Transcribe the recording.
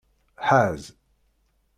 Ḥaz.